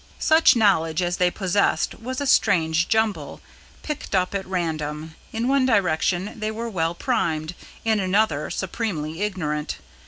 Such knowledge as they possessed was a strange jumble, picked up at random: in one direction they were well primed; in another, supremely ignorant.